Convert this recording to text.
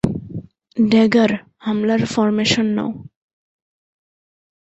Dagger, হামলার formation নাও।